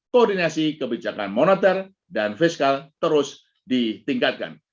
koordinasi kebijakan moneter dan fiskal terus ditingkatkan